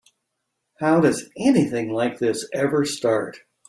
How does anything like this ever start?